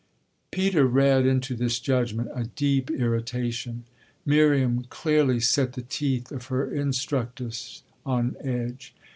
Peter read into this judgement a deep irritation Miriam clearly set the teeth of her instructress on edge.